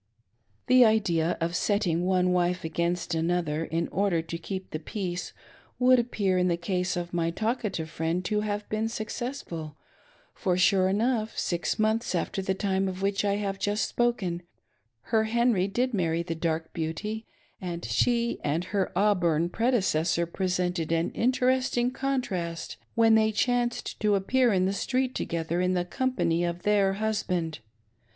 The idea of setting one wife against another, in order to keep the peace, would appear in the case of my talkative friend to have been successful ; for, sure enough, six months after the time of which I have just spoken, her Henry did marry the dark beauty, and she and her auburn predecessor presented an interesting contrast when they chanced to appear in the street together in the company of their husband.